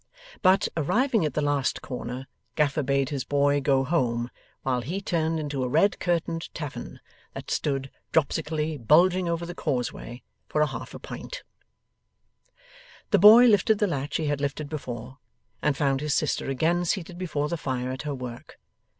But, arriving at the last corner, Gaffer bade his boy go home while he turned into a red curtained tavern, that stood dropsically bulging over the causeway, 'for a half a pint.' The boy lifted the latch he had lifted before, and found his sister again seated before the fire at her work.